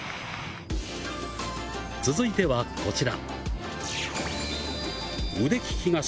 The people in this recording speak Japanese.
続いては、こちら。